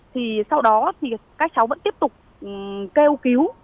thì sau đó thì các cháu vẫn tiếp tục kêu cứu